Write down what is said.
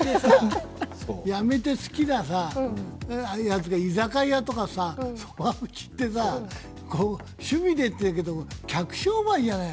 辞めて好きなのが居酒屋とかそば打ちって趣味でって言うけど、客商売じゃない？